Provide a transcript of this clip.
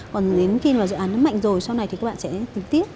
còn đến khi mà dự án nó mạnh rồi sau này thì các bạn sẽ tính tiếp